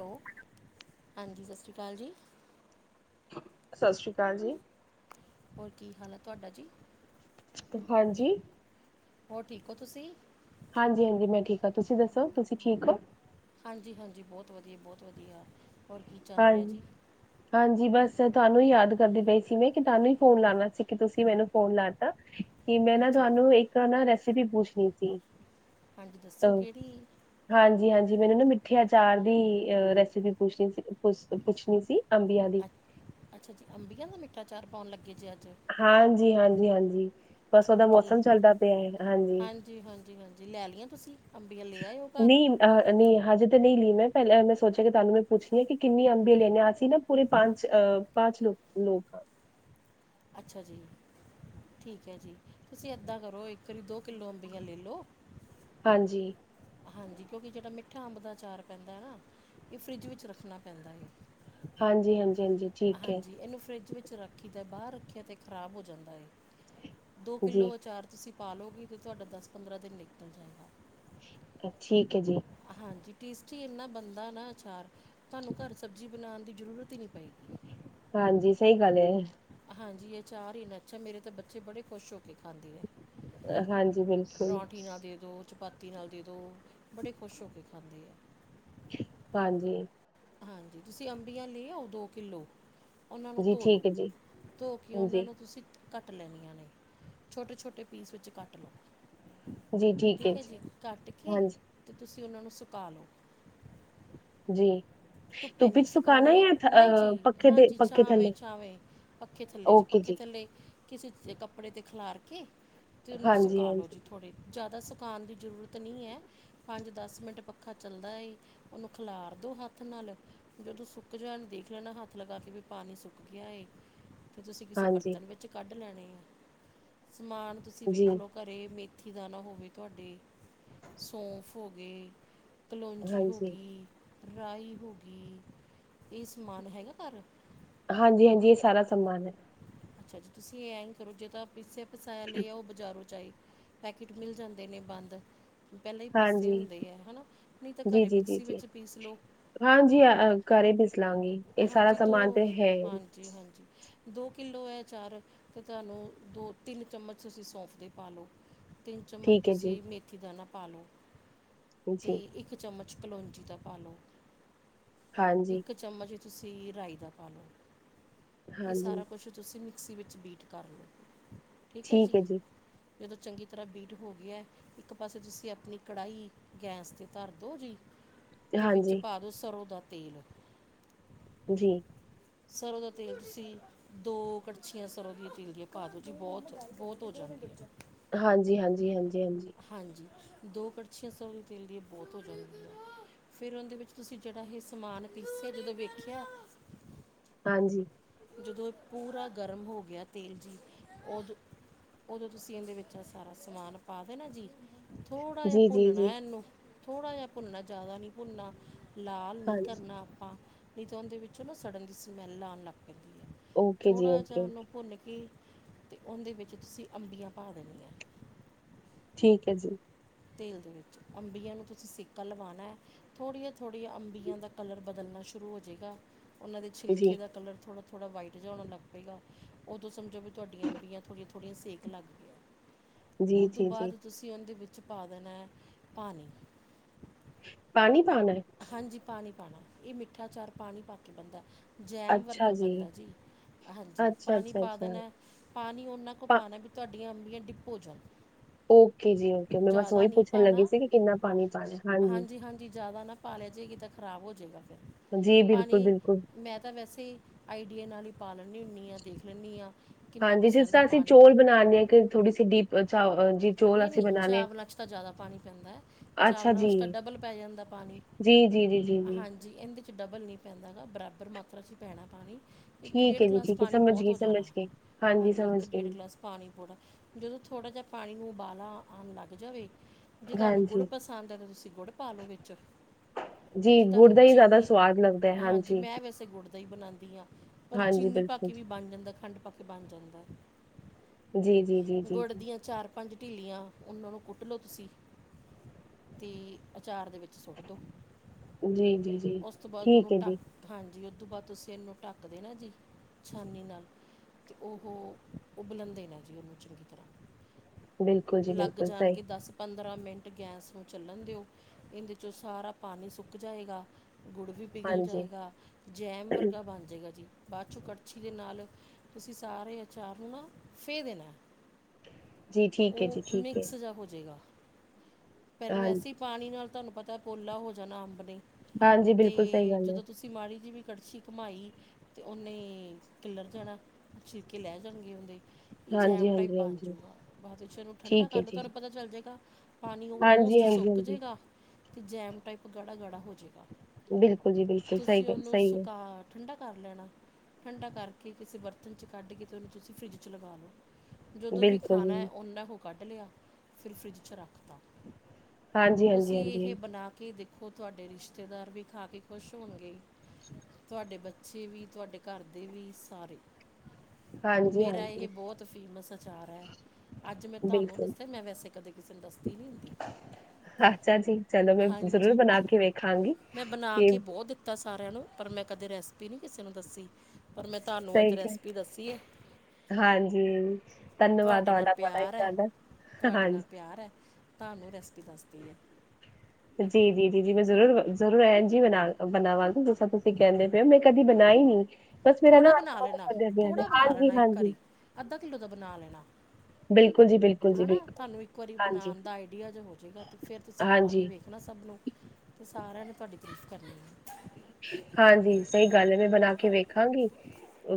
ਲੋ, ਹਾਂਜੀ ਸਤਿ ਸ਼੍ਰੀ ਅਕਾਲ ਜੀ। ਸਤਿ ਸ੍ਰੀ ਅਕਾਲ ਜੀ। ਹੋਰ ਕੀ ਹਾਲ ਐ ਤੁਆਡਾ ਜੀ। ਹਾਂਜੀ? ਹੋਰ ਠੀਕ ਓਂ ਤੁਸੀਂ? ਹਾਂਜੀ ਹਾਂਜੀ, ਮੈਂ ਠੀਕ ਹਾਂ। ਤੁਸੀਂ ਦੱਸੋ ਤੁਸੀਂ ਠੀਕ ਓ? ਹਾਂਜੀ ਹਾਂਜੀ, ਬੋਤ ਵਧੀਆ, ਬੋਤ ਵਧੀਆ। ਹੋਰ ਕੀ ਚੱਲ ਰਿਆ ਹਾਂਜੀ। ਜੀ। ਹਾਂਜੀ ਬਸ ਤੁਹਾਨੂੰ ਈ ਯਾਦ ਕਰਦੀ ਪਈ ਸੀ ਮੈਂ ਕਿ ਤੁਹਾਨੂੰ ਈ ਫੋਨ ਲਾਣਾ ਸੀ ਕਿ ਤੁਸੀਂ ਮੈਨੂੰ ਫੋਨ ਲਾ ਤਾ। ਕਿ ਮੈਂ ਨਾਂ ਅੱਛਾ ਜੀ ਤੁਹਾਨੂੰ ਇੱਕ ਨਾ ਰੈਸਿਪੀ ਪੁੱਛਣੀ ਸੀ। ਹਾਂਜੀ ਦੱਸੋ ਕੈੜੀ ਏ। ਹਾਂਜੀ ਹਾਂਜੀ, ਮੈਨੂੰ ਨਾ ਮਿੱਠੇ ਆਚਾਰ ਦੀ ਅ ਰੈਸਿਪੀ ਪੁੱਛਣੀ ਸੀ। ਕੁਛ ਪੁੱਛਣੀ ਸੀ, ਅੰਬੀਆਂ ਦੀ। ਅੱ ਅੱਛਾ ਜੀ, ਅੰਬੀਆਂ ਦਾ ਮਿੱਠਾ ਚਾਰ ਪਾਉਣ ਲੱਗੇ ਜੇ ਅੱਜ। ਹਾਂਜੀ, ਹਾਂਜੀ, ਹਾਂਜੀ। ਬਸ ਓਦਾ ਠੀਕ ਹੈ ਲ- ਮੌਸਮ ਚੱਲਦਾ ਪਿਆ ਐ ਹਾਂਜੀ। ਹਾਂਜੀ ਹਾਂਜੀ ਲੈ ਲਈਆਂ ਤੁਸੀਂ ਅੰਬੀਆਂ ਲੈ ਆਇਓ ਘਰ ਨੀਂ ਅ ਨਈਂ ਹਜੇ ਤੇ ਨਈਂ ਲੀ ਨਾਂ ਮੈਂ ਪੈਲੇ ਮੈਂ ਸੋਚਿਆ ਕਿ ਤਾਨੂੰ ਮੈਂ ਪੁੱਛਣੀ ਆਂ ਕਿੰਨੀ ਅੰਬੀ ਲੈਣੀ ਐ ਅਸੀਂ ਨਾ ਪੂਰੇ ਪੰਜ ਅ ਪਾਂਚ ਲੋਕ ਕਿਲੋ। ਅੱਛਾ ਜੀ ਠੀਕ ਐ ਜੀ, ਤੁਸੀਂ ਇੱਦਾਂ ਕਰੋ ਇੱਕ ਵਾਰੀ ਦੋ ਕਿੱਲੋ ਅੰਬੀਆਂ ਲੈ ਲੋ। ਹਾਂਜੀ। ਹਾਂਜੀ, ਕਿਉਂਕਿ ਜੇੜਾ ਮਿੱਠਾ ਅੰਬ ਦਾ ਅਚਾਰ ਪੈਂਦਾ ਐ ਆ। ਏਅ ਫਰਿੱਜ ਵਿੱਚ ਰੱਖਣਾ ਪੈਂਦਾ ਐ। ਹਾਂਜੀ ਹਾਂਜੀ ਹਾਂਜੀ ਠੀਕ ਹੈ ਹਾਂਜੀ, ਏਨੂੰ ਫਰਿੱਜ ਵਿੱਚ ਰੱਖ ਰਖੀ ਦਾ ਬਾਰ ਰੱਖਿਆ ਤੇ ਖਰਾਬ ਹੋ ਜਾਂਦਾ ਐ, ਦੋ ਜੀ ਕਿੱਲੋ ਅਚਾਰ ਤੁਸੀਂ ਪਾ ਲਓਗੇ ਅਤੇ ਤੁਹਾਡਾ ਦਸ ਪੰਦਰਾਂ ਦਿਨ ਨਿਕਲ ਜਾਏਗਾ। ਅ ਠੀਕ ਹੈ ਜੀ। ਹਾਂਜੀ ਟੇਸਟੀ ਇੰਨਾ ਬਣਦਾ ਨਾ ਅਚਾਰ ਤੁਹਾਨੂੰ ਘਰ ਸਬਜ਼ੀ ਬਣਾਉਣ ਦੀ ਜ਼ਰੂਰਤ ਹੀ ਨਹੀਂ ਪਏਗੀ। ਹਾਂਜੀ ਸਹੀ ਗੱਲ ਹੈ। ਹਾਂਜੀ ਇਹ ਆਚਾਰ ਏਨਾਂ ਅੱਛਾ ਮੇਰੇ ਤਾਂ ਬੱਚੇ ਬੜੇ ਖੁਸ਼ ਹੋ ਕੇ ਖਾਂਦੇ ਨੇ। ਹਾਂਜੀ ਬਿਲਕੁਲ ਪ੍ਰੋਂਠੀ ਨਾਲ ਦੇ ਦੋ ਚਪਾਤੀ ਨਾਲ ਦੇ ਦੋਂ, ਬੜੇ ਖੁਸ਼ ਹੋ ਕੇ ਖਾਂਦੇ ਆ। ਹਾਂਜੀ। ਹਾਂਜੀ ਤੁਸੀਂ ਅੰਬੀਆਂ ਲੈ ਆਓ ਦੋ ਕਿੱਲੋ, ਉਹਨਾਂ ਨੂੰ ਜੀ ਧੋ ਲਉ, ਠੀਕ ਹੈ ਜੀ ਧੋ ਕੇ ਉਹਨਾਂ ਜੀ ਨੂੰ ਤੁਸੀਂ, ਕੱਟ ਲੈਣੀਆਂ ਨੇ ਛੋਟੇ ਛੋਟੇ ਪੀਸ ਵਿੱਚ ਕੱਟ ਲਓ। ਠੀਕ ਹੈ ਜੀ ਕੱਟ ਕੇ ਹਾਂਜੀ ਤੇ ਤੁਸੀਂ ਉਹਨਾਂ ਨੂੰ ਸੁਕਾ ਲਓ। ਜੀ। ਧੁੱਪੇ ਧੁੱਪ ਚ ਨਹੀਂ ਸੁਕਾਉਣਾ ਸਕਾਨੀਆ ਜਾਂ ਨਹੀਂ ਅ ਜੀ ਪੱਖੇ ਦੇ ਹਾਂਜੀ ਪੱਖੇ ਛਾਵੇਂ, ਥੱਲੇ ਛਾਵੇ। ਪੱਖੇ ਥੱਲੇ ਜੀ ਪੱਖੇ ਥੱਲੇ, ਕਿਸੇ ਕੱਪੜੇ 'ਤੇ ਖਿਲਾਰ ਕੇ ਅਤੇ ਉਹਨੂੰ ਹਾਂਜੀ ਸੁਕਾ ਲਓ ਹਾਂਜੀ ਜੀ ਥੋੜ੍ਹੇ। ਜ਼ਿਆਦਾ ਸਕਾਨ ਦੀ ਜ਼ਰੂਰਤ ਨਹੀਂ ਹੈ। ਪੰਜ ਦਸ ਮਿੰਟ ਪੱਖਾ ਚੱਲਦਾ ਏ ਉਹਨੂੰ ਖਿਲਾਰ ਦੋ ਹੱਥ, ਹੱਥ ਨਾਲ ਜਦੋਂ ਸੁੱਕ ਜਾਣ ਦੇਖ ਲੈਣਾ ਹੱਥ ਲਗਾ ਕੇ ਵੀ ਪਾਣੀ ਸੁੱਕ ਗਿਆ ਹੈ ਏ। ਫਿਰ ਤੁਸੀਂ ਕਿਸੇ ਹਾਂਜੀ ਬਰਤਨ ਵਿੱਚ ਕੱਢ ਲੈਣੇ ਆ ਸਮਾਨ ਤੁਸੀਂ ਜੀ ਵੇਖ ਲਓ। ਘਰ ਮੇਥੀ ਦਾਨਾ ਹੋਵੇ, ਤੁਹਾਡੇ ਸੌਂਫ ਹੋ ਗਈ। ਕਲੋਂਜੀ ਹੋ ਹਾਂਜੀ ਗਈ, ਰਾਈ ਹੋ ਗਈ, ਇਹ ਸਮਾਨ ਹੈਗਾ ਘਰੇ ਹਾਂਜੀ, ਹਾਂਜੀ ਇਹ ਸਾਰਾ ਸਮਾਨ ਹੈ। ਅੱਛਾ ਜੀ ਤੁਸੀਂ ਇਹ ਐਂ ਕਰੋ ਜੇ ਤਾਂ ਪੀਸਿਆ ਪਸਾਇਆ ਲੈ ਆਓ ਬਜਾਰੋ ਚਾਹੇ ਪੈਕਿਟ ਮਿਲ ਜਾਂਦੇ ਨੇ ਬੰਦ। ਪਹਿਲਾਂ ਹੀ ਪੀਸੇ ਹਾਂਜੀ ਹੁੰਦੇ ਹੈ ਹਨਾਂ ਨਹੀਂ ਤਾਂ ਜੀ ਘਰੇ ਜੀ ਜੀ ਮਿਕਸੀ ਜੀ ਵਿੱਚ ਪੀਸ ਲਉ। ਹਾਂਜੀ ਘਰੇ ਪਿਸ ਲਾਂਗੀ ਇਹ ਸਾਰਾ ਹਾਂਜੀ ਸਮਾਨ ਤੇ ਹੈ। ਹਾਂਜੀ, ਹਾਂਜੀ। ਦੋ ਕਿੱਲੋ ਹੈ ਆਚਾਰ ਅਤੇ ਤੁਹਾਨੂੰ ਦੋ ਤਿੰਨ ਚਮਚ ਤੁਸੀਂ ਸੌਂਫ ਦੇ ਪਾ ਲਉ। ਤਿੰਨ ਚਮਚ ਠੀਕ ਹੈ ਜੀ ਤੁਸੀਂ ਮੇਥੀ ਦਾਨਾ ਪਾ ਲਓ ਅਤੇ ਜੀ ਇੱਕ ਇਕ ਚਮਚ ਕਲੋਂਜੀ ਦਾ ਪਾ ਲਉ। ਹਾਂਜੀ। ਚਮਚ ਹੀ ਤੁਸੀਂ ਰਾਈ ਦਾ ਪਾ ਲਓ। ਇਹ ਹਾਂਜੀ ਸਾਰਾ ਕੁਛ ਤੁਸੀਂ ਮਿਕਸੀ ਵਿੱਚ ਬੀਟ ਕਰ ਲਓ ਠੀਕ ਹੈ ਜੀ। ਜਦੋਂ ਚੰਗੀ ਤਰ੍ਹਾਂ ਬੀਟ ਹੋ ਗਿਆ, ਇੱਕ ਪਾਸੇ ਤੁਸੀਂ ਆਪਣੀ ਕੜਾਹੀ ਗੈਸ 'ਤੇ ਧਰ ਦਿਉ ਜੀ। ਦੇ ਵਿੱਚ ਹਾਂਜੀ ਪਾ ਦਿਉ ਸਰ੍ਹੋਂ ਦਾ ਤੇਲ। ਜੀ। ਸਰੋਂ ਦਾ ਤੇਲ ਦੋ ਕੜਛੀਆਂ ਸਰ੍ਹੋਂ ਦੀਆਂ ਤੀਲ ਦੀਆਂ ਪਾ ਦਿਉ ਜੀ ਬਹੁਤ ਬਹੁਤ ਹੋ ਜਾਂਦੀ ਆ। ਹਾਂਜੀ, ਹਾਂਜੀ, ਹਾਂਜੀ, ਹਾਂਜੀ। ਹਾਂਜੀ ਦੋ ਕੜਛੀਆਂ ਸੌ ਤੇਲ ਦੀ ਬਹੁਤ ਹੋ ਜਾਂਦੀਆਂ। ਫੇਰ ਉਹਦੇ ਵਿੱਚ ਤੁਸੀਂ ਜਿਹੜਾ ਇਹ ਸਮਾਨ ਪੀਸਿਆ ਜਦੋਂ ਵੇਖਿਆ, ਹਾਂਜੀ ਜਦੋਂ ਏ ਪੂਰਾ ਗਰਮ ਹੋਗਯਾ ਤੇਲ ਚੀ ਉਦੋਂ ਓਦੋ ਤੁਸੀ ਐਦੇ ਵਿੱਚ ਸਾਰਾ ਸਮਾਨ ਪਾ, ਦੇਨਾ ਜੀ। ਥੋੜਾ ਜਾ ਜੀ ਜੀ ਭੁੰਨਣਾ ਜੀ ਐਨੂੰ, ਥੋੜਾ ਜਾ ਭੁੰਨ ਜਾਦਾ ਨਹੀਂ ਭੁੰਨਾ ਲਾਲ ਨੀ ਹਾਂਜੀ ਕਰਨਾ ਆਪਾਂ, ਨਈ ਤੋਂ ਓਂਦੇ ਵਿੱਚੋਂ ਨਾ ਸੜਨ ਦੀ ਸਮੈਲ ਆਨ ਲੱਗ ਪੈਂਦੀ ਐ। ਓਕੇ ਜੀ ਥੋੜਾ ਓਕੇ ਜਾ ਓਨੂੰ ਓਕੇ ਭੁੰਨ ਕੇ ਤੇ, ਓਂਦੇ ਵਿੱਚ ਤੁਸੀ ਅੰਬੀਆਂ ਪਾ ਦੇਨੀਐ। ਠੀਕ ਹੈ ਜੀ ਤੇਲ ਦੇ ਵਿੱਚ ਅੰਬੀਆਂ ਨੂੰ ਤੁਸੀਂ ਸਿੱਕਾ ਲਵਾਨਾ ਥੋੜੀਆਂ-ਥੋੜੀਆਂ ਅੰਬੀਆਂ ਦਾ ਕਲਰ ਬਦਲਨਾ ਸ਼ੁਰੂ ਹੋਜੇਗਾ, ਓਨਾਂ ਦੇ ਛਿਲਕੇ ਜੀ ਦਾ ਕਲਰ ਥੋੜਾ-ਥੋੜਾ ਵਾਈਟ ਜਾ ਹੋਨ ਲੱਗ ਪੇਗਾ, ਓਦੋ ਸਮਜੋ ਵੀ ਤੁਹਾਡੀਆਂ ਅੰਬੀਆਂ ਥੋੜੀਆਂ-ਥੋੜੀਆਂ ਸੇਕ ਲੱਗ ਗੀ। ਜੀ ਓੱਦੋ ਜੀ ਜੀ ਬਾਦ ਤੁਸੀ ਓਂਦੇ ਵਿੱਚ ਪਾ ਦੇਨੈ ਪਾਨੀ ਪਾਨੀ ਪਾਨੈ? ਹਾਂਜੀ, ਪਾਨੀ ਪਾਨਾ ਏ ਮਿੱਠਾ ਚਾਰ ਪਾਨੀ ਪਾ ਕੇ ਬੰਦਾ। ਜੈਮ ਵਰਗਾ ਬੰਦਾ ਜੀ, ਹਾਂਜੀ, ਅੱਛਾ ਪਾਨੀ ਅੱਛਾ ਪਾ ਅੱਛਾ ਦੇਨੇ ਪਾਨੀ ਓਨਾਂ ਕੋ, ਪਾਨੈ ਵੀ, ਤੁਆਡੀਆਂ ਅੰਬੀਆਂ ਡਿਪ ਹੋ ਜਾਨ। ਓਕੇ ਜੀ, ਓਕੇ ਮੈਂ ਬੱਸ ਓਈ ਪੁੱਛਨ ਲੱਗੀ ਪਾਉਣਾ ਸੀ ਕਿ ਕਿੰਨਾ ਪਾਨੀ ਪਾਨੈ, ਹਾਂਜੀ। ਹਾਂਜੀ, ਜਿਆਦਾ ਨਾ ਪਾਲੈ ਜੇਗੀ ਤਾਂ ਖ਼ਰਾਬ ਹੋ ਜੇਗਾ ਫੇਰ, ਜੀ ਬਿਲਕੁਲ ਪਾਨੀ ਬਿਲਕੁਲ ਮੈਂ ਤਾਂ ਵੈਸੇ ਈ ਆਈ ਡੀਏ ਨਾਲ ਈ, ਪਾ ਲੈਂਨੀ ਹੁੰਨੀ ਆਂ, ਦੇਖ ਲੈਂਨੀ ਆਂ। ਹਾਂਜੀ, ਜਿਸ ਤਰਾਂ ਅਸੀ ਚੋਲ, ਬਨਾਨੇ ਆਂ ਕਿ ਥੋੜੀ ਸੀ ਡੀਪ ਚਾਵ ਨਈ-ਨਈ ਚਾਵਲਾਂ ਚ, ਤਾ ਜਿਆਦਾ ਪਾਨੀ ਪੈਂਦੈ, ਹਾਂ ਅੱਛਾ ਚਾਵਲਾਂ ਜੀ ਵਿੱਚ ਤਾ ਡਬਲ ਪੈ ਜਾਂਦਾ ਪਾਨੀ। ਜੀ, ਜੀ, ਜੀ, ਜੀ ਜ ਹਾਂਜੀ, ਐਂਦੇ ਚ, ਡਬਲ ਨੀ ਪੈਂਦਾ ਨਾ ਬਰਾਬਰ ਮਾਤਰਾ ਚ, ਪੈਣਾ ਪਾਨੀ ਇੱਕ ਠੀਕ ਡੇਢ ਹੈ ਜੀ ਗਲਾਸ ਠੀਕ ਹੈ ਪਾਨੀ ਸਮਝ ਬੋਤ ਗਈ ਹੋ ਸਮਝ ਜਾਨਾ, ਗਈ ਹਾਂਜੀ ਸਮਝ ਇੱਕ ਡੇਢ ਗਈ ਗਲਾਸ ਪਾਨੀ ਪੋਣਾ ਜਦੋ ਥੋੜਾ ਜਾ, ਪਾਨੀ ਨੂੰ ਉਬਾਲਾ ਆਨ ਲੱਗ ਜਾਵੇ ਜੇ ਤੁਹਾਨੂੰ ਗੁੜ ਹਾਂਜੀ ਪਸੰਦ ਐ, ਤਾ ਤੁਸੀ ਗੁੜ ਪਾ ਲੋ ਵਿੱਚ ਜੀ ਤਾਨੂੰ ਗੁੜ ਦਾ ਹੀ ਜ਼ਿਆਦਾ ਚੀਨੀ, ਸਵਾਦ ਲੱਗਦਾ ਹੈ, ਹਾਂਜੀ ਮੈਂ ਵੈਸੇ ਤੇ ਗੁੜ ਦਾ ਈ ਬਨਾਂਦੀ ਆਂ, ਪਰ ਹਾਂਜੀ, ਚੀਨੀ ਪਾ ਬਿਲਕੁਲ ਕੇ ਵੀ ਬਾਨ ਜਾਂਦਾ ਤੇ, ਖੰਡ ਪਾ ਕਿ ਬਨ ਜਾਂਦੈ ਜੀ, ਜੀ, ਜੀ, ਜੀ, ਜੀ ਚਾਰ ਪਾੰਜ ਟਿੱਲੀਆਂ ਓਨਾਂ ਨੂੰ ਕੁੱਟ ਲੋ ਤੁਸੀ ਤੇ ਅਚਾਰ ਦੇ ਵਿੱਚ ਸੁੱਟ ਦੋ, ਜੀ, ਜੀ, ਜੀ। ਉਸ ਤੋ ਬਾਦ ਠੀਕ ਓਨੂੰ ਹੈ ਟਾੱਕ ਜੀ, ਹਾਂਜੀ, ਓ ਤੋ, ਬਾਦ ਤੁਸੀ ਐਨੂੰ ਟੱਕ ਦੇਨਾ ਜੇ, ਛਾਨੀ ਨਾਲ ਤੇ ਓ ਹੋ ਉਬਲਨ ਦੇਨਾ ਜੇ ਓਹਨੂੰ ਚੰਗੀ ਤਰਾ ਬਿਲਕੁਲ ਜੀ, ਲੱਗ ਬਿਲਕੁਲ ਸਹੀ, ਜਾਨਗੇ ਦੱਸ ਪੰਦਰਾਂ ਮਿੰਟ ਗੈਸ ਨੂੰ ਚੱਲਨ ਦੇਓ ਏਂਦੇ ਚੋ, ਸਾਰਾ ਪਾਨੀ ਸੁੱਕ ਜਾਏਗਾ ਗੁੜ ਵੀ ਪਿਘਲ ਹਾਂਜੀ। ਜਾਏਗਾ, ਜੈਮ ਵਰਗਾ ਬਾਨ ਜਾਏਗਾ ਜੀ। ਬਾਦ ਚੋ ਕੜਛੀ ਦੇ ਨਾਲ ਤੁਸੀ ਸਾਰੇ ਅਚਾਰ ਨੂੰ ਨਾ ਫੇ ਦੇਨੈ। ਜੀ ਠੀਕ ਓ ਹੈ ਜੀ, ਠੀਕ ਹੈ, ਮਿਕਸ ਜਾ ਹੋਜੇਗਾ ਪੈਲੇ ਹਾਂਜੀ, ਵੈਸੇ ਈ ਪਾਨੀ ਨਾਲ ਤੋ ਆਨੂੰ ਪਤੈ ਪੋਲਾ ਹੋ ਜਾਨਾ ਅੰਬ ਨੇ, ਹਾਂਜੀ ਬਿਲਕੁਲ ਸਹੀ ਤੇ ਗੱਲ ਹੈ, ਜਦੋ ਤੁਸੀ ਮਾੜੀ ਜੀ, ਵੀ ਕੜਛੀ ਘੁਮਾਈ ਤੇ ਓਨੇ ਕਿੱਲਰ ਜਾਨਾ ਛਿਲਕੇ ਲੈ, ਜਾਨਗੇ ਓਂਦੇ ਹਾਂਜੀ, ਜੈਮ ਟਾਈਪ ਹਾਂਜੀ, ਬਾਨ ਹਾਂਜੀ। ਜੂਗਾ ਨੂੰ ਠੰਡਾ ਠੀਕ ਹੈ ਕਰ ਲੋ, ਜੀ, ਤਹਾਨੂੰ ਪਤਾ ਚੱਲ ਜੇਗਾ। ਪਾਨੀ ਓ ਹਾਂਜੀ, ਓਲਮੋਸਟ ਹਾਂਜੀ, ਸੋਕ ਹਾਂਜੀ, ਜੇਗਾ ਤੇ ਜੈਮ ਟਾਈਪ ਗਾੜਾ-ਗਾੜਾ ਹੋਜੇਗਾ। ਬਿਲਕੁਲ ਜੀ, ਬਿਲਕੁਲ ਸਹੀ ਤੁਸੀ ਗ ਓਨੂੰ ਸਹੀ ਹੈ, ਸੁਕਾ ਠੰਡਾ ਕਰ ਲੈਨਾ, ਠੰਡਾ ਕਰਕੇ ਕਿਸੇ ਬਰਤਨ ਚ ਕੱਢ ਕੇ, ਤੇ ਓਨੂੰ ਤੁਸੀ ਫਰਿੱਜ ਚ, ਲਗਾ ਲੋ। ਜਦੋ ਵੀ ਬਿਲਕੁਲ ਖਾਨਾ ਐ ਜੀ। ਓਨਾਂ ਕੁ ਕੱਢ ਲੇਯਾ ਫਿਰ ਫਰਿੱਜ ਚ ਰੱਖ ਤਾ ਹਾਂਜੀ, ਹਾਂਜੀ, ਤੁਸੀ ਏਹੇ ਹਾਂਜੀ, ਬਨਾ ਕੇ ਦੇ ਓ ਤੁਆਡੇ ਰਿਸ਼ਤੇਦਾਰ ਵੀ ਖਾ ਕੇ ਖੁਸ਼ ਹੋਨਗੇ। ਤੁਆਡੇ ਬੱਚੇ ਵੀ, ਤੁਆਡੇ ਘਰ ਦੇ ਵੀ ਸਾਰੇ। ਹਾਂਜੀ, ਮੇਰਾ ਇਹ ਹਾਂਜੀ, ਬੌਤ ਫੇਮਸ ਅਚਾਰ ਹੈ। ਅੱਜ ਮੈਂ ਤਾਨੂੰ ਬਿਲਕੁਲ। ਦੱਸਿਆ ਮੈ ਵੈਸੇ ਕਦੇ ਕਿਸੇ ਨੂੰ ਦੱਸਦੀ ਨੀ ਹੁੰਦੀ। ਅੱਛਾ ਜੀ ਚਲੋ ਮੈ ਜ਼ਰੂਰ ਹਾਂਜੀ ਬਣਾ ਕੇ ਵੇਖਾਂਗੀ ਕਿ ਕੀਤਾ ਸਾਰਿਆਂ ਨੂੰ ਪਰ ਮੈਂ ਕਦੇ ਰੈਸਪੀ ਨੀ ਕਿਸੇ ਨੂੰ ਦੱਸੀ ਪਰ ਮੈ ਤਾਨੂੰ ਅੱਜ ਸਹੀ ਰੈਸਪੀ ਦੱਸੀ ਏ ਹਾਂਜੀ, ਧੰਨਵਾਦ ਤੁਆਡੇ ਨਾਲ ਤੁਹਾਡਾ ਬੜਾ ਹੀ ਪਿਆਰ ਐ ਜ਼ਿਆਦਾ। ਤੁਆਡੇ ਨਾਲ ਹਾਂਜੀ ਪਿਆਰ ਐ ਤਾਨੂੰ ਰੈਸਪੀ ਦੱਸ ਤੀ ਐ। ਜੀ -ਜੀ -ਜੀ -ਜੀ ਮੈਂ ਜ਼ਰੂਰ -ਜ਼ਰੂਰ ਐਨਜੀ ਨਾਲ ਬਨਾਵਾਂਗੀ ਜਿਦਾਂ ਤੁਸੀ ਕੈਂਦੇ ਪਏ ਓ ਮੈ ਕਦੀ ਬਨਾਈ ਨਈ ਥੋੜ੍ਹਾ ਬਨਾ ਲੈਣਾ -ਥੋੜ੍ਹਾ ਬਨਾ ਲੈਣਾ ਇੱਕ ਹਾਂਜੀ ਆਰੀ ਅੱਧਾ ਕਿੱਲੋ ਦਾ ਬਨਾ ਲੈਣਾ। ਬਿਲਕੁਲ ਜੀ ਬਿਲਕੁਲ ਜੀ ਹਨਾ, ਬਿਲਕੁਲ ਤਾਨੂੰ ਇੱਕ ਵਾਰੀ ਹਾਂਜੀ ਬਣਾਨ ਦਾ ਆਈਡੀਆ ਜੇਆ ਹੋ ਜੇਗਾ ਤੇ ਫੇਰ ਤੁਸੀ ਖਵਾ ਕੇ ਹਾਂਜੀ ਵੇਖ ਨਾ ਸਭ ਨੂੰ ਤੇ ਸਾਰਿਆਂ ਨੇ ਤਾਡੀ ਤਰੀਫ ਕਰਨੀ ਐ। ਹਾਂਜੀ, ਸਈ ਗੱਲ ਏ ਮੈਂ ਬਨਾ ਕੇ ਵੇਖਾਂਗੀ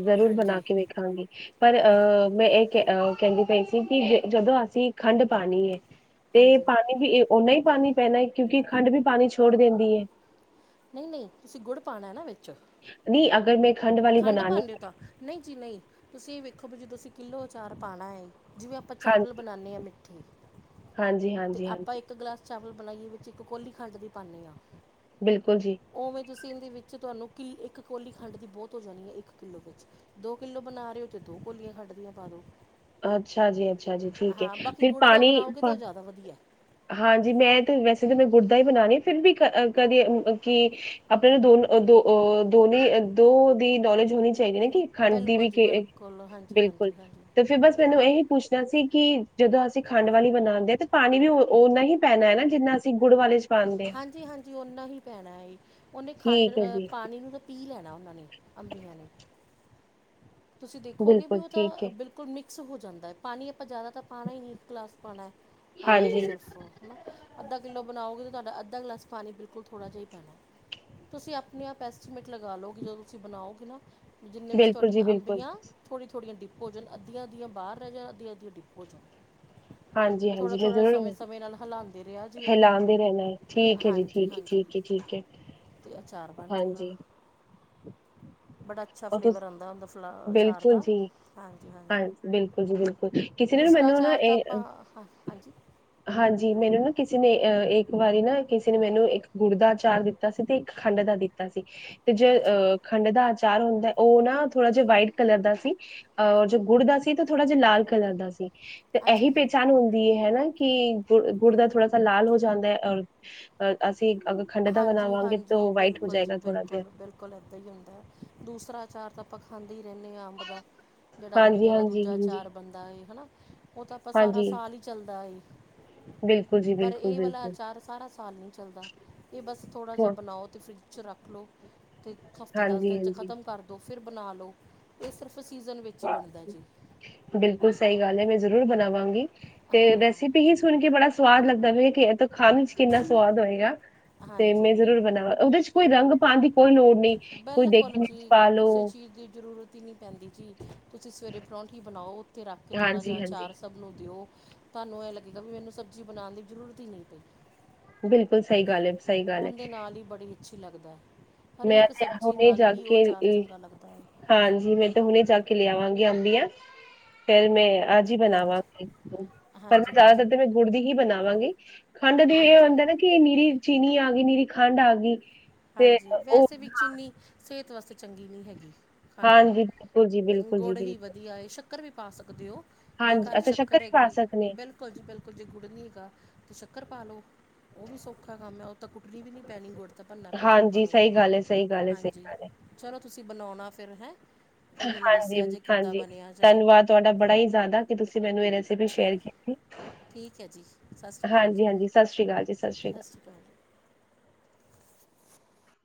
ਜ਼ਰੂਰ ਬਨਾ ਹਾਂਜੀ ਕੇ ਵੇਖਾਂਗੀ। ਪਰ ਅ ਮੈਂ ਏ ਕ ਅ ਕੈਂਦੀ ਪਈ ਸੀ ਕਿ ਜ ਜਦੋ ਅਸੀ ਖੰਡ ਪਾਨੀ ਏ ਤੇ ਹਾਂਜੀ ਪਾਨੀ ਵੀ ਓਨਾ ਈ ਪਾਨੀ ਪੈਨਾ ਏ ਕਿਉਂਕਿ ਖੰਡ ਵੀ ਪਾਨੀ ਛੋੜ ਦਿੰਦੀ ਏ ਨਈ -ਨਈ ਤੁਸੀ ਗੁੜ ਪਾਨਾ ਏ ਨਾ ਵਿੱਚ ਨਈ ਅਗਰ ਮੈਂ ਵਾਲੀ ਖੰਡ ਬਣਾਣੀ ਪਾਂਦੇ ਓ ਤਾ ਨਈ ਜੀ ਨਈ ਤੁਸੀ ਵੇਖੋ ਬੀ ਜੇ ਤੁਸੀ ਕਿੱਲੋ ਅਚਾਰ ਪਾਣਾ ਹੋਏ। ਜਿਵੇਂ ਆਪਾਂ ਚਾਵਲ ਹਾਂਜੀ ਬਨਾਨੇ ਆਂ ਮਿੱਠੇ ਹਾਂਜੀ ਤੇ ਹਾਂਜੀ ਆਪਾਂ ਹਾਂਜੀ ਇੱਕ ਗਲਾਸ, ਚਾਵਲ ਬਨਾਈਏ ਵਿੱਚ ਇੱਕ ਕੋਲੀ ਖੰਡ ਦੀ ਪਾਨੇ ਆਂ। ਬਿਲਕੁਲ ਜੀ। ਓਵੇਂ, ਤੁਸੀ ਏਂਦੇ ਵਿੱਚ ਤੁਆਨੂੰ ਕਿ ਇੱਕ ਕੋਲੀ ਖੰਡ ਦੀ ਬੌਤ ਹੋ ਜਾਣੀ ਇੱਕ ਕਿੱਲੋ ਵਿੱਚ ਦੋ ਕਿੱਲੋ ਬਨਾ ਰੇ ਓ ਤੇ ਦੋ ਕੋਲੀਆਂ ਖੰਡ ਦੀਆਂ ਪਾ ਦੋ ਅੱਛਾ ਜੀ -ਅੱਛਾ ਜੀ ਠੀਕ ਐ ਫਿਰ ਗੁੜ ਦਾ ਪਾਨੀ ਬਣਾਓਗੇ ਤਾਂ ਜ਼ਿਆਦਾ ਵਧੀਆ ਹਾਂਜੀ, ਮੈਂ ਤੇ ਵੈਸੇ ਤਾ ਮੈਂ ਗੁੜ ਦਾ ਹੀ ਬਣਾ ਰੀ ਆ ਫਿਰ ਵੀ ਕ ਕਦੇ ਕਿ ਆਪਾਂ ਨੂੰ ਦੋਨ ਦੋ ਦੋ ਨੀ ਦੋ ਦੀ ਨੌਲੇਜ ਹੋਣੀ ਚਾਈਦੀ ਨਾ ਖੰਡ ਦੀ ਬਿਲਕੁਲ ਵੀ ਜੀ ਕੇ ਬਿਲਕੁਲ ਹਾਂਜੀ ਬਿਲਕੁਲ। ਹਾਂਜੀ ਹਾਂਜੀ ਤੇ ਫੇਰ ਬਸ ਹਾਂਜੀ ਮੈਨੂੰ ਇਹੀ ਪੁੱਛਣਾ ਸੀ ਕਿ ਜਦੋਂ ਅਸੀਂ ਖੰਡ ਵਾਲੀ ਬਣਾਂਦੇ ਆ ਤੇ ਪਾਣੀ ਵੀ ਓਨਾ ਹੀ ਪੈਣਾ ਹੈ ਨਾ ਜਿੰਨਾ ਅਸੀ ਗੁੜ ਵਾਲੇ ਚ ਪਾਂਦੇ ਆ। ਹਾਂਜੀ -ਹਾਂਜੀ ਓਨਾ ਹੀ ਪੈਣਾ ਏ ਓਨੇ ਖੰਡ ਠੀਕ ਹੈ ਅ ਜੀ, ਪਾਣੀ ਨੂੰ ਪੀ ਲੈਣਾ ਓਨਾਂ ਨੇ ਅੰਬੀਆਂ ਨੇ। ਤੁਸੀਂ ਦੇਖੋਗੇ ਬੀ ਬਿਲਕੁਲ ਓ ਤਾ ਠੀਕ ਹੈ। ਬਿਲਕੁਲ ਮਿਕਸ ਹੋ ਜਾਂਦਾ ਐ ਪਾਨੀ ਆਪਾਂ ਜਆਦਾ ਤਾਂ ਪਾਣਾ ਈ ਨਈ ਇੱਕ ਗਲਾਸ ਪਾਣਾ ਏ। ਪਾਣੀ ਦਾ ਹਾਂਜੀ, ਸਿਰਫ ਓ ਹਨਾ ਅੱਧਾ ਕਿੱਲੋ ਬਨਾਓਗੇ ਤਾ ਤੁਆਡਾ ਅੱਧਾ ਗਲਾਸ ਪਾਨੀ ਬਿਲਕੁਲ ਥੋੜ੍ਹਾ ਜਿਆ ਈ ਪੈਣਾ। ਤੁਸੀ ਆਪਨੇ ਆਪ ਐਸਟੀਮੇਟ ਲਗਾ ਲੋ ਕਿ ਜਦੋ ਤੁਸੀ ਬਨਾਓਗੇ ਨਾ ਬਿਲਕੁਲ ਜੀ ਬਿਲਕੁਲ। ਥੜੀ -ਥੋੜ੍ਹੀਆਂ ਡਿੱਪ ਹੋ ਜਨ ਅੱਧੀਆਂ ਅੱਧੀਆਂ ਬਾਰ ਰੈ ਜਾਨ ਅੱਧੀਆਂ -ਅੱਧੀਆਂ ਡਿੱਪ ਹੋ ਜਨ ਹਾਂਜੀ- ਹਾਂਜੀ [unintelligible] ਮ ਜ਼ੂਰ ਰਿਹਾ ਜੀ ਉਹਨੂੰ ਹਿਲਾਂਦੇ ਰਹਿਨਾ ਏ ਠੀਕ ਐ ਜੀ ਹਾਂਜੀ ਠੀਕ ਐ - ਹਾਂਜੀ ਠੀਕ ਏ - ਠੀਕ। ਕਿੱਟ ਤੇ ਅਚਾਰ ਬਣ ਜੇਗਾ। ਬੜਾ ਅੱਛਾ ਉਹ ਤੁਸ ਫਲੇਵਰ ਆਂਦਾ ਓਂਦਾ ਫਲਾ ਅਚਾਰ ਬਿਲਕੁਲ ਦਾ। ਜੀ ਹਾਂਜੀ ਹਾਂ -ਹਾਂਜੀ ਬਿਲਕੁਲ ਜੀ ਬਿਲਕੁਲ ਕਿਸੇ ਨੇ ਨਾ ਦੂਸਰਾ ਮੈਨੂੰ ਨਾ ਅਚਾਰ ਤਾ ਇਹ ਆਪਾਂ ਹਾ, ਹਾਂਜੀ ਹਾਂਜੀ, ਮੈਨੂੰ ਨਾ ਕਿਸੇ ਨੇ ਅ ਇੱਕ ਵਾਰੀ ਨਾ ਕਿਸੇ ਨੇ ਮੈਨੂੰ ਇੱਕ ਗੁੜ ਅਚਾਰ ਦਿੱਤਾ ਸੀ ਤੇ ਇੱਕ ਖੰਡ ਦਾ ਦਿੱਤਾ ਤਾ ਸੀ ਤੇ ਜੇ ਅੱਛਾ ਜੀ ਅ ਖੰਡ ਦਾ ਅਚਾਰ ਹੁੰਦੈ ਓ ਨਾ ਥੋੜਾ ਜੇਆ ਵਾਈਟ ਕਲਰ ਦਾ ਸੀ ਅ ਜੋ ਗੁੜ ਦਾ ਸੀ ਤਾਂ ਥੋੜਾ ਜਾ ਲਾਲ ਕਲਰ ਦਾ ਸੀ, ਤੇ ਏਹੀ ਅੱਛਾ ਜੀ ਪਹਿਚਾਨ ਹੁੰਦੀ ਐ ਨਾ। ਕੀ ਗੁੜ-ਗੁੜ ਦਾ ਥੋੜਾ ਸਾ ਲਾਲ ਹੋ ਜਾਂਦੈ ਔਰ ਅ ਅਸੀਂ ਅਗ ਹਾਂਜੀ-ਹਾਂਜੀ ਬਿਲਕੁਲ ਜੀ ਥੋੜਾ ਜਿਹਾ ਬਿਲਕੁਲ-ਬਿਲਕੁਲ ਏਦਾਂ ਈ ਹੁੰਦਾ ਦੂਸਰਾ ਅਚਾਰ ਤਾਂ ਆਪਾਂ ਖਾਂਦੇ ਈ ਰੈਂਦੇ ਆਂ ਅੰਬ ਦਾ, ਜੇੜਾ ਹਾਂਜੀ ਅੰਬੀਆਂ ਦਾ ਹਾਂਜੀ ਦੂਜਾ ਹਾਂਜੀ ਅਚਾਰ ਬਨਦਾ ਏ ਹਨਾ। ਓ ਤਾਂ ਆਪਾਂ ਸਾਰਾ ਹਾਂਜੀ ਸਾਲ ਈ ਚੱਲਦਾ ਏ। ਬਿਲਕੁਲ ਜੀ ਪਰ ਬਿਲਕੁਲ ਏ ਵਾਲਾ ਬਿਲਕੁਲ ਅਚਾਰ ਸਾਰਾ ਸਾਲ ਨੀ ਚੱਲਦਾ। ਏ ਬਸ ਥੋੜ੍ਹਾ ਜਾ ਹੋਰ ਬਨਾਓ ਤੇ ਫਰਿੱਜ ਚ ਰੱਖ ਲੋ ਤੇ ਹਫਤੇ ਦਸ ਹਾਂਜੀ ਦਿਨ ਚ ਹਾਂਜੀ ਖ਼ਤਮ ਕਰ ਦੋ ਫਿਰ ਬਨਾ ਲੋ, ਏ ਸਿਰਫ ਸੀਜ਼ਨ ਵਿੱਚ ਈ ਬਨਦਾ ਜੀ। ਬਿਲਕੁਲ ਸਈ ਗੱਲ ਐ, ਮੈਂ ਜ਼ਰੂਰ ਬਨਾਵਾਂਗੀ, ਤੇ ਹਾਂ ਰੈਸੀ ਪੀ ਹੀ ਸੁਨ ਕੇ ਬੜਾ ਸਵਾਦ ਲੱਗਦਾ ਹੋਏ ਕੇ ਐ ਤਾਂ ਖਾਨ ਵਿਚ ਕਿੰਨਾ ਸਵਾਦ ਹੋਏਗਾ। ਤੇ ਮੈਂ ਹਾਂਜੀ ਜ਼ਰੂਰ ਬਨਾਵਾਂ, ਓਦੇ ਚ ਕੋਈ ਰੰਗ ਪਾਨ ਦੀ ਕੋਈ ਲੋੜ ਨਈਂ, ਕੋਈ ਬਿਲਕੁਲ ਦੇਗੀ ਮਿਰਚ ਜੀ ਪਾ ਲੋ। ਕਿਸੇ ਚੀਜ਼ ਦੀ ਜ਼ਰੂਰਤ ਈ ਨੀ ਪੈਂਦੀ ਜੀ। ਤੁਸੀਂ ਸਵੇਰੇ ਪਰੌਂਠੀ ਬਣਾਓ, ਉੱਥੇ ਰੱਖ ਕੇ ਥੋੜ੍ਹਾ ਜਿਹਾ ਹਾਂਜੀ ਚਾਰ। ਹਾਂਜੀ ਸਬ ਨੂੰ ਦਿਓ, ਤੁਆਨੂੰ ਐਂ ਲੱਗੇਗਾ ਵੀ ਮੈਨੂੰ ਸਬਜ਼ੀ ਬਨਾਨ ਦੀ ਜ਼ਰੂਰਤ ਈ ਨਈਂ ਪਈ। ਬਿਲਕੁਲ ਸਈ ਗੱਲ ਐ। ਓਨਦੇ ਨਾਲ ਈ ਬੜੀ ਅੱਛੀ ਲੱਗਦੈ, ਮੈਂ ਹਰੇਕ ਤੇ ਸਬਜ਼ੀ ਹੁਣੇ ਨਾਲ ਜਾ ਈ ਓ ਕੇ ਅਚਾਰ ਇਹ- ਚੰਗਾ ਲੱਗਦਾ ਐ। ਹਾਂਜੀ, ਮੈਂ ਤਾਂ ਹੁਨੇ ਜਾ ਕੇ ਲੈ ਆਵਾਂਗੀ ਅੰਬੀਆਂ ਫੇਰ ਮੈਂ ਅੱਜ ਜੀ ਹਾਂਜੀ ਬਨਾਵਾਂਗੀ, ਪਰ ਹਾਂਜੀ ਮੈਂ ਹਾਂਜੀ ਜਾਦਾਤਰ ਤੇ ਮੈਂ ਗੁੜਦੀ ਹੀ ਬਣਾਵਾਂਗੀ ਖੰਡ ਦੇ ਏ ਹਾਂਜੀ ਹੁੰਦਾ ਨਾ ਕੇ ਏ ਨਿਰੀ ਚੀਨੀ ਆ ਗੀ, ਨੀਰੀ ਖੰਡ ਆ ਗੀ। ਹਾਂਜੀ, ਵੈਸੇ ਵੀ ਚੀਨੀ ਸੇਤ ਵਾਸਤੇ ਚੰਗੀ ਨਈਂ ਹੈਗੀ। ਖੰਡ, ਹਾਂਜੀ ਬਿਲਕੁਲ ਜੀ ਬਿਲਕੁਲ ਜੀ ਗੁੜ ਹੀ ਬਿਲਕੁਲ ਵਦੀਆ ਏ ਸ਼ੱਕਰ ਵੀ ਪਾ ਸਕਦੇ ਓਂ। ਜੇ ਹਾਂਜੀ ਘਰ ਅੱਛਾ ਸ਼ੱਕਰ ਵੀ ਪਾ ਹੈਗੀ ਸਕਦੇ ਬਿਲਕੁਲ ਜੀ ਬਿਲਕੁਲ ਜੇ ਗੁੜ ਨੀ ਹੈਗਾ ਤਾਂ ਸ਼ੱਕਰ ਪਾ ਲੋ। ਓ ਵੀ ਸੌਖਾ ਕੰਮ ਐ ‌ ਓ ਤਾਂ ਕੁੱਟਨੀ ਵੀ ਨੀ ਪੈਨੀ ਗੁੜ ਤਾਂ ਭੰਨਣਾ ਪੈਣਾ ਆਪਾਂ ਹਾਂਜੀ, ਨੂੰ ਸਈ ਗੱਲ ਏ ਸਈ ਗੱਲ ਏ ਸਈ। ਹਾਂਜੀ ਚਲੋ ਤੁਸੀਂ ਬਨੌਨਾ ਫੇਰ ਹੈਂ। ਫਿਰ ਮੈਨੂੰ ਦੱਸਿਆ ਜੇ ਕਿੱਦਾਂ ਹਾਂਜੀ-ਹਾਂਜੀ ਬਣਿਆ ਅਚਾਰ ਧੰਨਵਾਦ ਤੁਆਡਾ ਬੜਾ ਈ ਜਾਦਾ ਕੇ ਤੁਸੀਂ ਮੈਨੂੰ ਏ ਰੈਸੀਪੀ ਠੀਕ ਸ਼ੇਅਰ ਕੀਤੀ। ਠੀਕ ਹੈ ਜੀ ਸਤਿ ਸ਼੍ਰੀ ਅਕਾਲ ਜੀ ਹਾਂਜੀ-ਹਾਂਜੀ ਸਸ ਰੀ ਕਾਲ ਜੀ ਸਸ ਰੀ ਸਤਿ ਕਾਲ। ਸ਼੍ਰੀ ਅਕਾਲ